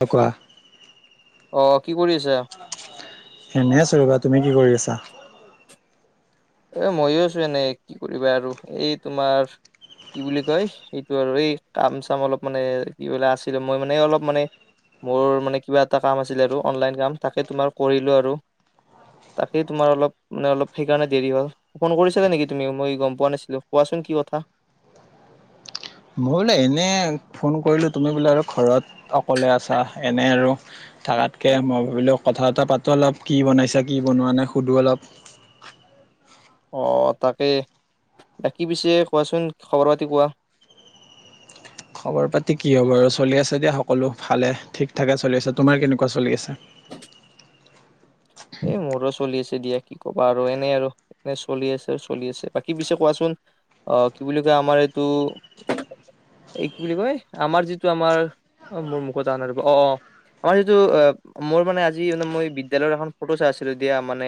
অ', কোৱা? অ' কি কৰি আছা? এনে আছো ৰ'বা, তুমি কি কৰি আছা? এ ময়ো আছো এনেই কি কৰিবা আৰু, এই তোমাৰ কি বুলি কয় এইটো আৰু এই কাম চাম অলপ মানে কি বোলে আছিলে মই মানে অলপ মানে মোৰ মানে কিবা এটা কাম আছিলে আৰু অনলাইন কাম তাকে তোমাৰ কৰিলো আৰু। তাকেই তোমাৰ অলপ মানে অলপ সেইকাৰণে দেৰি হ'ল, ফোন কৰিছিলে নেকি তুমি মই গ'ম পোৱা নাছিলো, কোৱাচোন কি কথা? মই বোলে এনেই ফোন কৰিলোঁ তুমি বোলে আৰু ঘৰত অকলে আছা এনে আৰু। থকাতকৈ মই ভাবিলোঁ কথা বতৰা পাতোঁ অলপ কি বনাইছে কি বনোৱা নাই সুধোঁ অলপ। অঁ তাকে, বাকী পিছে কোৱাচোন খবৰ পাতি কোৱা? খবৰ পাতি কি হ'ব আৰু চলি আছে দিয়া সকলো ভালে ঠিক থাকে চলি আছে। তোমাৰ কেনেকুৱা চলি আছে? এই মোৰো চলি আছে দিয়া কি ক'বা আৰু এনে আৰু। নে চলি আছে চলি আছে, বাকী পিছে কোৱাচোন? অ' কি বুলি কয় আমাৰ এইটো, এই কি বুলি কয় আমাৰ যিটো আমাৰ অ' মোৰ মুখত আহা নাই ৰ'বা, অ' অ' আমাৰ যিটো অ' মোৰ মানে আজি মই বিদ্যালয়ৰ এখন ফটো চাই আছিলো দিয়া। মানে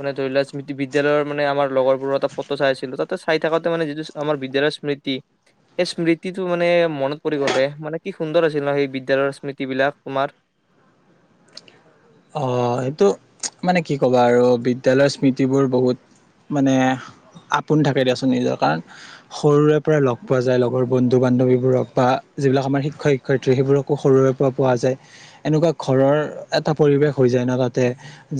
মানে ধৰি লোৱা স্মৃতি বিদ্যালয়ৰ মানে আম লগৰবোৰৰ এটা ফটো চাই আছিলো, ততে চাই থাকোতে মানে যিটো আমাৰ বিদ্যালয় স্মৃতি। সেই স্মৃতিটো মানে মনত পৰি গ'ল হে', মানে কি সুন্দৰ আছিল ন সেই বিদ্যালয়ৰ স্মৃতি বিলাক তোমাৰ। অ' সেইটো মানে কি ক'বা আৰু বিদ্যালয়ৰ স্মৃতিবোৰ বহুত মানে আপোন থাকে দিয়াচোন নিজৰ। কাৰণ সৰুৰে পৰাই লগ পোৱা যায় লগৰ বন্ধু বান্ধৱীবোৰক, বা যিবিলাক আমাৰ শিক্ষয়িত্ৰী শিক্ষয়ত্ৰী সেইবোৰকো সৰুৰে পৰা পোৱা যায়, এনেকুৱা ঘৰৰ এটা পৰিৱেশ হৈ যায় ন তাতে।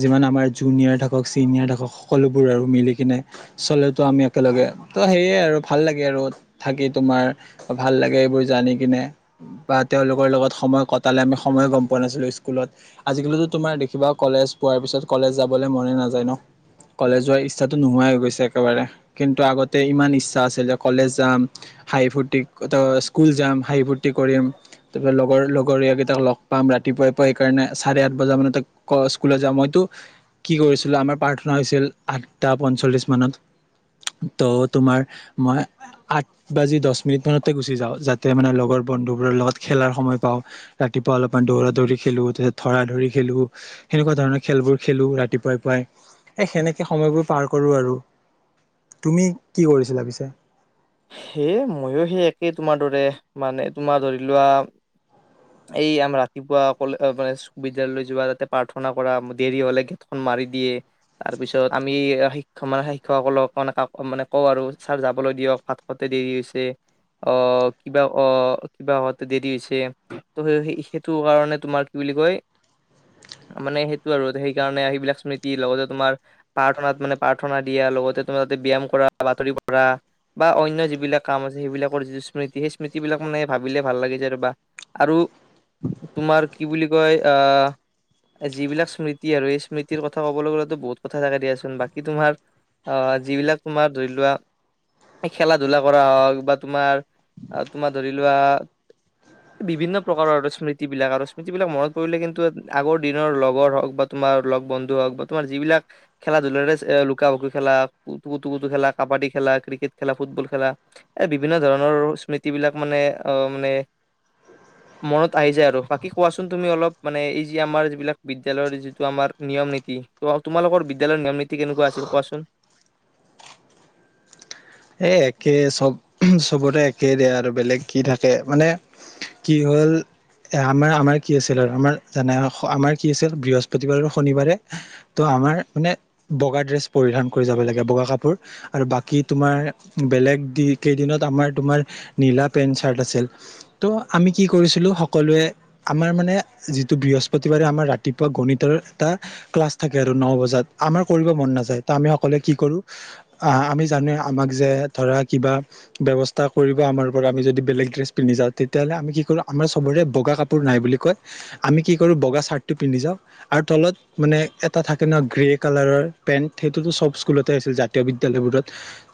যিমান আমাৰ জুনিয়ৰ থাকক চিনিয়ৰ থাকক সকলোবোৰ আৰু মিলি কিনে। চালেটো আমি একেলগে ত' সেয়ে আৰু ভাল লাগে আৰু থাকি তোমাৰ। ভাল লাগে এইবোৰ জানি কিনে। বা তেওঁলোকৰ লগত সময় কটালে আমি সময়ো গ'ম পোৱা নাছিলো স্কুলত। আজিকালিতো তোমাৰ দেখিবা কলেজ পোৱাৰ পিছত কলেজ যাবলৈ মনে নাযায় ন? কলেজ যোৱাৰ ইচ্ছাটো নোহোৱাই হৈ গৈছে একেবাৰে। কিন্তু আগতে ইমান ইচ্ছা আছিল যে কলেজ যাম হাঁহি ফূুৰ্তি ত স্কুল যাম হাঁহি ফূুৰ্তি কৰিম। তাৰপিছত লগৰ লগৰীয়াকেইটাক লগ পাম ৰাতিপুৱাই পৰা সেইকাৰণে চাৰে আঠ বজা মানত স্কুললে যাওঁ। মইতো কি কৰিছিলো, আমাৰ প্ৰাৰ্থনা হৈছিল আঠটা পঞ্চল্লিশ মানত ত' তোমাৰ মই আঠ বাজি দহ মিনিট মানতে গুচি যাওঁ, যাতে মানে লগৰ বন্ধুবোৰৰ লগত খেলাৰ সময় পাওঁ। ৰাতিপুৱা অলপমান দৌৰা দৌৰি খেলো। ধৰা ধৰি খেলো, সেনেকুৱা ধৰণৰ খেলবোৰ খেলো ৰাতিপুৱাই পুৱাই। এ সেনেকে সময়বোৰ পাৰ কৰো আৰু, তুমি কি কৰিছিলা পিছে? সেয় মইয়ো সেই একেই, তোমাৰ দৰে মানে তোমাৰ ধৰি লোৱা। এই আমৰ ৰাতিপুৱা অকলে মানে বিদ্যালয়লৈ যোৱা তাতে প্ৰাৰ্থনা কৰা দেৰি হ'লে গেটখন মাৰি দিয়ে। তাৰ পিছত আমি শিক্ষক মানে শিক্ষক সকলক মানে কওঁ আৰু ছাৰ যাবলৈ দিয়ক ভাত খাওঁতে দেৰি হৈছে। অ', কিবা অ', কিবা হতে দেৰি হৈছে ত' সেই-সেইটো কাৰণে তোমাৰ কি বুলি কয় [inaudible] মানে সেইটো আৰু সেইকাৰণে সেইবিলাক স্মৃতিৰ লগতে, তোমাৰ প্ৰাৰ্থনাত মানে প্ৰাৰ্থনা দিয়া লগতে তুমি তাতে ব্যায়াম কৰা বাতৰি কৰা বা অন্য যিবিলাক কাম আছে সেইবিলাকৰ যিটো স্মৃতি, সেই স্মৃতি বিলাক মানে ভাবিলে ভাল লাগি যায় ৰ'বা। আৰু তোমাৰ কি বুলি কয় আহ যিবিলাক স্মৃতি আৰু এই স্মৃতিৰ কথা ক'বলৈ গ'লে বহুত কথা থাকে দিয়াচোন, বাকী তোমাৰ অ', যিবিলাক তোমাৰ ধৰি লোৱা খেলা-ধূলা কৰা হওক বা তোমাৰ তোমাৰ ধৰি লোৱা বিভিন্ন প্ৰকাৰৰ আৰু স্মৃতি বিলাক আৰু স্মৃতি বিলাক মনত পৰিলে কিন্তু আগৰ দিনৰ লগৰ হওক বা তোমাৰ লগ বন্ধু হওক বা তোমাৰ যিবিলাক খেলা ধূলাৰে লুকা-ভাকু খেলা, কুটু-কুটু খেলা, কাবাডী খেলা, ক্ৰিকেট খেলা, ফুটবল খেলা, এ বিভিন্ন ধৰণৰ স্মৃতিবিলাক মানে আহ মানে [inaudible] মনত আহি যায় আৰু বাকী কোৱাচোন মনত আহি যায় আৰু বাকি কোৱাছোন তুমি অলপ মানে এই যি, আমাৰ যিবিলাক বিদ্যয়ালয়ৰ যিটো আমাৰ নিয়ম নীতি। তোমা-তোমালোকৰ বিদ্যালয়ৰ নিয়ম নীতি কেনেকুৱা আছিল কোৱাচোন? এই একে চব, চবৰে একেই দিয়া আৰু বেলেগ কি থাকে মানে কি হ'ল এ আমাৰ আমাৰ কি আছিল আৰু আমাৰ জানাই আৰু আমাৰ কি আছিল বৃহস্পতিবাৰ আৰু শনিবাৰে ত' আমাৰ মানে বগা ড্ৰেছ পৰিধান কৰি যাব লাগে, বগা কাপোৰ আৰু বাকী তোমাৰ বেলেগ দি কেইদিনত আমাৰ তোমাৰ নীলা পেন্ট চাৰ্ট আছিল। ত' আমি কি কৰিছিলোঁ সকলোৱে। আমাৰ মানে যিটো বৃহস্পতিবাৰে আমাৰ ৰাতিপুৱা গণিতৰ এটা ক্লাছ থাকে আৰু ন' বজাত, আমাৰ কৰিব মন নাযায় ত' আমি সকলোৱে কি কৰোঁ আ আমি জানোৱে আমাক যে ধৰা কিবা ব্যৱস্থা কৰিব আমাৰ পৰা আমি যদি বেলেগ ড্ৰেছ পিন্ধি যাওঁ তেতিয়া হ'লে আমি কি কৰো আমাৰ চবৰে বগা কাপ পোৰ নাই বুলি কয় আমি কি কৰোঁ বগা চাৰ্টটো পিন্ধি যাওঁ, আৰু তলত মানে এটা থাকে ন' গ্ৰে কালাৰৰ পেন্ট, সেইটোতো চব স্কুলতে আছিল জাতীয় বিদ্যালয়বোৰত।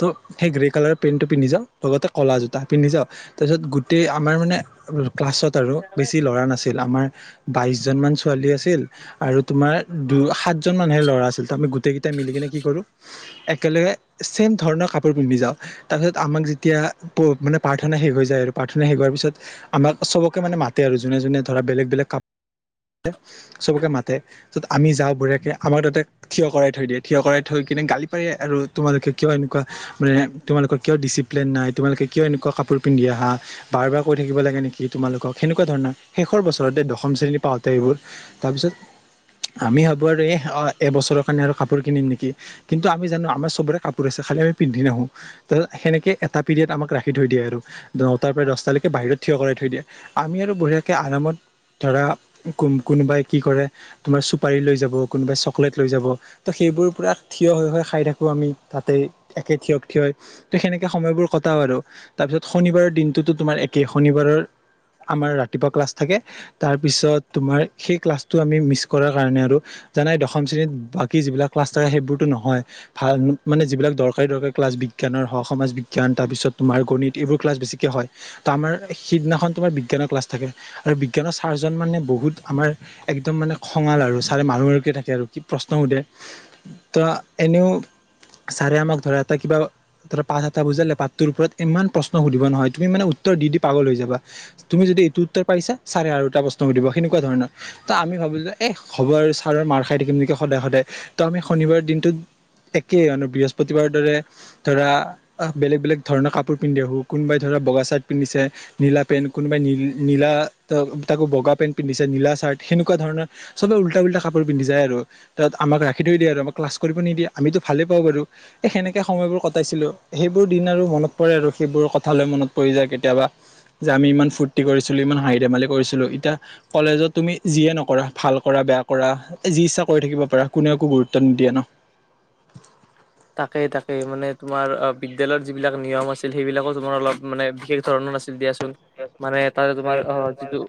ত' সেই গ্ৰে কালাৰৰ পেণ্টটো পিন্ধি যাওঁ লগতে ক'লা জোতা পিন্ধি যাওঁ। তাৰপিছত গোটেই আমাৰ মানে ক্লাছত আৰু বেছি ল'ৰা নাছিল, আমাৰ বাইশ জন মান ছোৱালী আছিল। আৰু তোমাৰ দু সাতজন মানুহে ল'ৰা আছিল ত' আমি গোটেই কেইটাই মিলি কিনে কি কৰো। একেলগে ছেম ধৰণৰ কাপোৰ পিন্ধি যাওঁ। তাৰ পিছত আমাক যেতিয়া প মানে প্ৰাৰ্থনা শেষ হৈ যায় আৰু প্ৰাৰ্থনা শেষ হোৱাৰ পিছত আমাক চবকে মানে মাতে আৰু যোনে যোনে ধৰা বেলেগ বেলেগ কাপ চবকে মাতে পিছত আমি যাওঁ বঢ়িয়াকে আমাক তাতে থিয় কৰাই থৈ দিয়ে। থিয় কৰাই থৈ কিনে গালি পাৰে আৰু তোমালোকে কিয় এনেকুৱা মানে তোমালোকৰ কিয় ডিচিপ্লিন নাই, তোমালোকে কিয় এনেকুৱা কাপোৰ পিন্ধি আহা। বাৰ বাৰ কৈ থাকিব লাগে নেকি, তোমালোকক সেনেকুৱা ধৰণৰ শেষৰ বছৰত দে দশম শ্ৰেণী পাওঁ তে এইবোৰ তাৰ পিছত আমি ভাবোঁ আৰু এই এবছৰৰ কাৰণে, আৰু কাপোৰ কিনিম নেকি। কিন্তু আমি জানো আমাৰ চবৰে কাপোৰ আছে খালি আমি পিন্ধি নাহো। ত' সেনেকে এটা পিৰিয়ড আমাক ৰাখি থৈ দিয়ে আৰু। ন' টাৰ পৰা দহ টালৈকে বাহিৰত থিয় কৰাই থৈ দিয়ে, আমি আৰু বঢ়িয়াকে আৰামত ধৰা কোন-কোনোবাই কি কৰে তোমাৰ চুপাৰী লৈ যাব, কোনোবাই চকলেট লৈ যাব। ত' সেইবোৰ পুৰা থিয় হৈ হৈ খাই থাকো আমি তাতে একে থিয় থিয়ই। ত' সেনেকে সময়বোৰ কটাওঁ আৰু তাৰপিছত শনিবাৰৰ দিনটোতো তোমাৰ একেই, শনিবাৰৰ আমাৰ ৰাতিপুৱা ক্লাছ থাকে তাৰপিছত তোমাৰ সেই ক্লাছটো আমি মিছ কৰাৰ কাৰণে আৰু জানাই দশম শ্ৰেণীত বাকী যিবিলাক ক্লাছ থাকে সেইবোৰতো নহয়। ভাল মানে যিবিলাক দৰকাৰী দৰকাৰী ক্লাছ, বিজ্ঞানৰ হওঁক, সমাজ বিজ্ঞান তাৰপিছত তোমাৰ গণিত এইবোৰ ক্লাছ বেছিকে হয়। ত' আমাৰ সিদিনাখন তোমাৰ বিজ্ঞানৰ ক্লাছ থাকে আৰু বিজ্ঞানৰ ছাৰজন মানে বহু হুত আমাৰ একদম মানে খঙাল আৰু, ছাৰে মাৰো মাৰোকে থাকে আৰু কি প্ৰশ্ন সোধে। ত' এনেও ছাৰে আমাক ধৰা এটা কিবা ধৰা পাঠ এটা বুজালে, পাঠটোৰ ওপৰত ইমান প্ৰশ্ন সুধিব নহয়, তুমি মানে উত্তৰ দি দি পাগল হৈ যাবা। তুমি যদি এইটো উত্তৰ পাৰিছা ছাৰে আৰু এটা প্ৰশ্ন সুধিব সেনেকুৱা ধৰণৰ। ত' আমি ভাবোঁ যে এই হ'ব আৰু ছাৰৰ মাৰ খাই থাকিম নেকি সদায় সদায়, ত' আমি শনিবাৰৰ দিনটোত একেই মানে বৃহস্পতিবাৰৰ দৰে ধৰা আহ, বেলেগ বেলেগ ধৰণৰ কাপোৰ পিন্ধি আহোঁ, কোনোবাই ধৰা বগা চাৰ্ট পিন্ধিছে নীলা পেণ্ট, কোনোবাই নীল-নীলা ত-তাকো বগা পেণ্ট পিন্ধিছে নীলা চাৰ্ট সেনেকুৱা ধৰণৰ চবে উল্টা পুল্টা কাপোৰ পিন্ধি যায় আৰু। ত' আমাক ৰাখি থৈ দিয়ে আৰু, আমাক ক্লাছ কৰিব নিদিয়ে, আমিতো ভালেই পাওঁ বাৰু। এই সেনেকে সময়বোৰ কটাইছিলোঁ, সেইবোৰ দিন আৰু মনত পৰে আৰু, সেইবোৰৰ কথালৈ মনত পৰি যায় কেতিয়াবা। যে আমি ইমান ফূৰ্তি কৰিছিলোঁ, ইমান হাঁহি ধেমালি কৰিছিলোঁ এতিয়া কলেজত তুমি যিয়ে নকৰা, ভাল কৰা বেয়া কৰা এ, যি ইচ্ছা কৰি থাকিব পাৰা, কোনেও একো গুৰুত্ব নিদিয়ে ন'। তাকেই তাকেই, মানে তোমাৰ অ' বিদ্যয়ালয়ৰ যিবিলাক নিয়ম আছিল সেইবিলাকো তোমাৰ অলপ মানে বিশেষ ধৰণৰ নাছি দিয়াচোন মানে তাৰে তোমাৰ অ' যিটো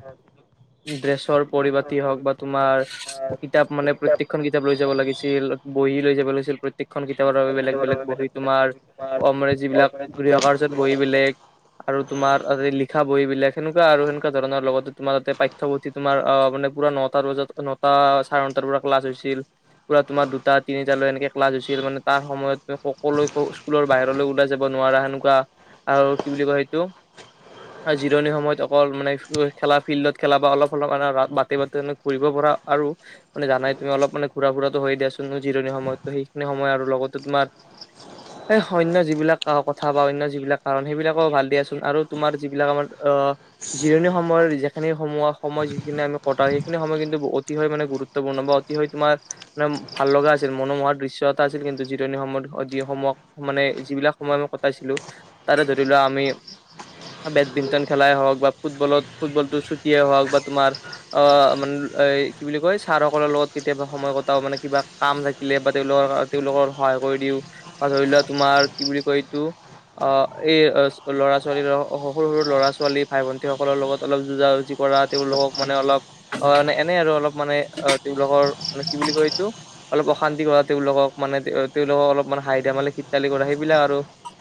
ড্ৰেছৰ পৰিপাতি হওক বা তোমাৰ কিতাপ মানে প্ৰত্যেকখন কিতাপ লৈ যাব লাগিছিল। বহি লৈ যাব লৈছিল প্ৰত্যেকখ চবৰ বাবে বেলেগ বেলেগ বহি, তোমাৰ অমৰে বিলাক গৃহ কাৰ্য বহি বেলেগ আৰু তোমাৰ লিখা বহিবিলাক সেনেকুৱা আৰু সেনেকুৱা ধৰণৰ লগতে তোমাৰ তাতে পাঠ্য পুথি তোমাৰ আ, মানে পুৰা নটাৰ বজাত, নটা চাৰে নটাৰ পৰা ক্লাছ হৈছিল। পুৰা দুটা তিনিটা লৈ এনেকে ক্লাছ হৈছ ছিল মানে তাৰ সময়ত কলৈ স্কুলৰ বাহিৰলৈ ওলাই যাব নোৱাৰা সেনেকুৱা আৰু কি বুলি কয় সেইটো জিৰণি সময়ত অকল মানে খেলা ফিল্ডত খেলা বা অলপ অলপ মান বাটে বাট মান ঘৰিব পৰা আৰু মানে জানাই তুমি অলপ মানে ঘূৰা ফুৰাটো হৈয় দিয়াচোন ন' জিৰণি সময়তো সেই নি সময় আৰু লগতে তোমাৰ [inaudible] এই অন্য যিবিলাক কথা বা অন্য যিবিলাক কাৰণ সেইবিলাকো ভাল দিয়াচোন আৰু তোমাৰ যিবিলাক আমাৰ আহ জিৰণি সময়ৰ যিখিনি সম-সময় যিখিনি আমি কটাই সেইখিনি সময় কিন্তু অতিশয় মানে গুৰু গুৰুতপূৰ্ণ বা অতি হয় তোমাৰ মানে ভাল লগা আছিল মনোমহৰ দৃশ্য ততা আছিল কিন্তু জিৰণি সময়ত, অ' যি সময়ক মানে যিবিলাক সময় মই কটাইছিলো তাৰে ধৰি লোৱা আমি বেডমিণ্টন খেলাই হওক বা ফুটবলত ফুটবলটো ছুটিয়েই হওক বা তোমাৰ অ' মানে এ, কি বুলি কয় ছা সকলৰ লগত কেতিয়াবা সময় কটাও, মানে কিবা কাম থাকিলে বা লৰ তেওঁলোকৰ সহায় কৰি দিও বা ধৰি লোৱা তোমাৰ কি বুলি কয় এইটো অ', এই ল'ৰা ছোৱালীৰ, সৰু সৰু ল'ৰা ছোৱালী, ভাই ভন্টীসকলৰ লগত অলপ যুজা যুজি কৰাত তেওঁলোকক মানে অলপ অ' মানে এনে আৰু অলপ মানে অ' তেওঁলোকৰ মানে কি বুলি কয় এইটো অলপ অশান্তি কৰাত তেওঁলোকক, মানে তেওঁলোকক অলপ মানে হাঁহি-ধেমালি, খিতালি কৰা সেইবিলাক আৰু,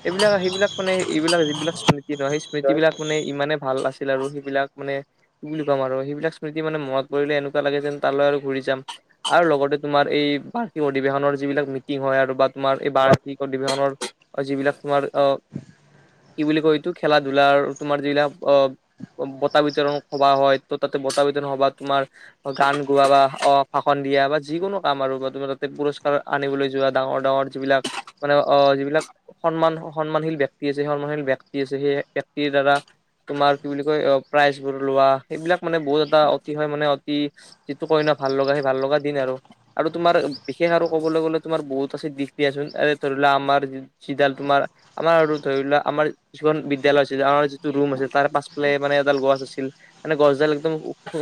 এইবিলাক সেইবিলাক। মানে এইবিলাক যিবিলাক স্মৃতি হয়, সেই স্মৃতি বিলাক মানে ইমানে ভাল আছিল আৰু সেইবিলাক মানে কি বুলি ক'ম আৰু, সেইবিলাক স্মৃতি মানে মনত পৰিলে এনেকুৱা লাগে যেন, তালৈ আৰু ঘূৰি যাম। আৰু লগতে তোমাৰ এই বাহিৰত অধিবেশনৰ যিবিলাক মিটিং হয়, আৰু বা তোমাৰ এই বাৰ্ষিক অধিবেশনৰ যিবিলাক তোমাৰ অ কি বুলি কয় এইটো, খেলা-ধূলাৰ তোমাৰ যিবিলাক অ বতা বিতৰণ সভা হয়, ত', তাতে বতা বিতৰণ সভা তোমাৰ গান গোৱা বা অ ভাষন দিয়া বা যিকোনো কাম আৰু বা তুমি পুৰস্কাৰ আনিবলৈ যোৱা ডাঙৰ-ডাঙৰ যিবিলাক, মানে অ যিবিলাক সন্মান, সন্মানশীল ব্যক্তি আছে, সন্মানশীল ব্যক্তি আছে, সেই ব্যক্তিৰ দ্বাৰা তোমাৰ কি বুলি কয়, প্ৰাইজ বোৰ লোৱা, সেইবিলাক মানে বহুত এটা অতিকৈ মানে অতি যিটো কয় ন ভাল লগা, সেই ভাল লগা দিন আৰু, আৰু তোমাৰ বিশেষ আৰু ক'বলৈ গ'লে, তোমাৰ বহুত আছে দিশ দিয়া‌চোন। এ, ধৰি লোৱা আমাৰ সিডাল, তোমাৰ আমাৰ আৰু ধৰি লোৱা আমাৰ কিছুমান বিদ্যালয় আছিল, আমাৰ যিটো ৰুম আছিল, তাৰ পাছফালে মানে এডাল গছ আছিল। মানে গছডাল একদম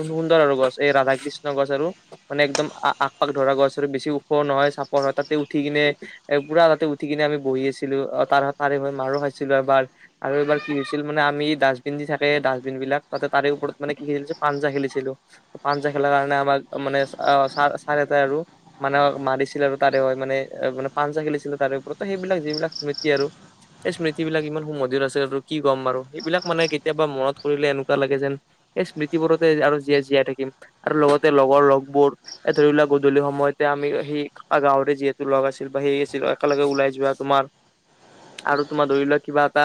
সুন্দৰ আৰু গছ, এই ৰাধা-কৃষ্ণ গছ আৰু। মানে একদম আগ [unintelligible] ধৰা গছ আৰু, বেছি ওখৰ নহয়, চাপৰ হয়, তাতে উঠি কিনে এ, পুৰা তাতে উঠি কিনে, আমি বহি আছিলো, তাৰ-তাৰে হৈ মাৰো খাইছিলো এবাৰ। আৰু এবাৰ কি হৈছিল, মানে আমি ডাষ্টবিন দি থাকে, ডাষ্টবিন বিলাক, তাতে তাৰে ওপৰত মানে কি খেলছিল যে পাঞ্জা খেলিছিলো। পাঞ্জা খেলাৰ কাৰণে আমাক মানে অ চ চাৰে এটাই আৰু মানে মাৰিছিলে আৰু তাৰে হয়, মানে পাঞ্জা খেলিছিলে তাৰে ওপৰত, ত, সেইবিলাক যিবিলাক স্মৃতি আৰু। সেই স্মৃতি বিলাক ইমান সুমধুৰ আছে, আৰু কি কম আৰু, সেইবিলাক মানে কেতিয়াবা মনত কৰিলে এনেকুৱা লাগে যেন এই স্মৃতিবোৰতে আৰু জীয়াই-জীয়াই থাকিম। আৰু লগতে লগৰ লগবোৰ, এ, ধৰিবলাক গধূলি সময়ত তেতিয়া আমি সেই গাঁৱৰে যিহেতু লগ আছিল বা সেই আছিল একেলগে ওলাই যোৱা। তোমাৰ আৰু তোমাৰ ধৰি লোৱা কিবা এটা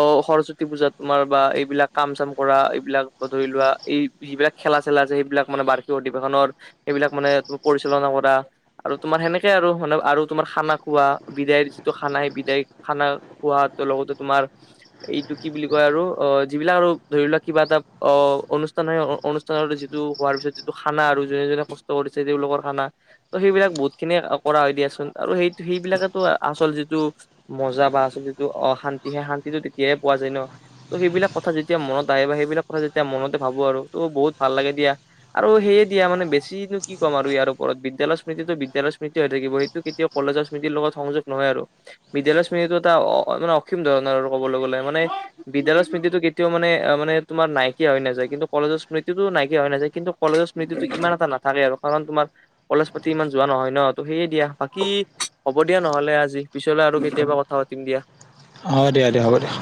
অ', সৰস্বতী পূজাত তোমাৰ বা এইবিলাক কাম-চাম কৰা, এইবিলাক ধৰি লোৱা, এই যিবিলাক খেলা-চেলা যে সেইবিলাক মানে বাৰ্ষিক অধিৱেশনৰ, সেইবিলাক মানে পৰিচালনা কৰা আৰু তোমাৰ সেনেকে আৰু, মানে আৰু তোমাৰ খানা খোৱা, বিদায়ৰ যিটো খানা, সেই বিদায় খানা খোৱাটো, লগতে তোমাৰ এইটো কি বুলি কয় আৰু! অ', যিবিলাক আৰু ধৰি লোৱা, কিবা এটা অ', অনুষ্ঠান হয়, অনু ষ্ঠান হ'লে যিটো হোৱাৰ পিছত যিটো খানা আৰু, যোনে-যোনে কষ্ট কৰিছে, তেওঁলোকৰ খানা। ত, সেইবিলাক বহুত খিনিয়ে কৰা হয় দিয়াচোন, আৰু সেই সেইবিলাকেতো আচল যিটো মজা বা আছে যিটো অ', শান্তি, সেই শান্তিটো তেতিয়াহে পোৱা যায় ন! ত', সেইবিলাক কথা যেতিয়া মনত আহে বা সেইবিলাক কথা যেতিয়া মনতে ভাবোঁ আৰু, ত', বহুত ভাল লাগে দিয়া। আৰু সেয়ে দিয়া মানে বেছিনো কি ক'ম আৰু ইয়াৰ ওপৰত! বিদ্যালয় স্মৃতিটো বিদ্যালয় স্মৃতি হৈ থাকিব, সেইটো কেতিয়াও কলেজৰ স্মৃতিৰ লগত সংযোগ নহয় আৰু। বিদ্যালয় স্মৃতিতো এটা অসীম ধৰণৰ আৰু ক'বলৈ গ'লে, মানে বিদ্যালয় স্মৃতিটো কেতিয়াও মানে- মানে তোমাৰ নাইকিয়া হৈ নাযায়। কিন্তু কলেজ স্মৃতিটোও নাইকিয়া হৈ নাযায়। কিন্তু কলেজৰ স্মৃতিটো ইমান এটা নাথাকে আৰু, কাৰণ তোমাৰ কলেজ পাতি ইমান যোৱা নহয় ন! ত সেয়ে দিয়া, বাকী, হ'ব দিয়া নহ'লে আজি, পিছলে আৰু কেতিয়াবা কথা পাতিম দিয়া। অ', দিয়া, দিয়া, হ'ব দিয়া।